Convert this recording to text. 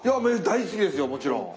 大好きですよもちろん。